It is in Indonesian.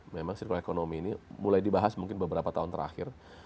memang sirkulasi ekonomi ini mulai dibahas mungkin beberapa tahun terakhir